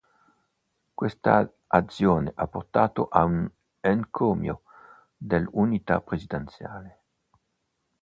Questa azione ha portato a un encomio dell'unità presidenziale.